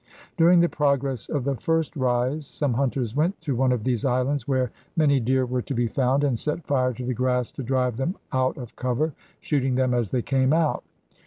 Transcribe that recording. During the progress of the first rise some hunters went to one of these islands where many deer were to be found and set fire to the grass to drive them out of cover, shooting them as they came out.